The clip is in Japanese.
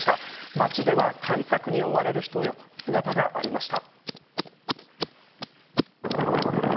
町では対策に追われる人の姿がありました。